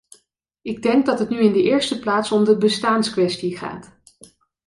Ik denk dat het nu in de eerste plaats om de bestaanskwestie gaat.